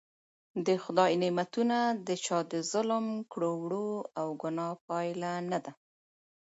د خدای نعمتونه د چا د ظلم کړو وړو او ګناه پایله نده.